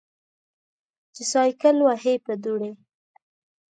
چې سایکل وهې په دوړې.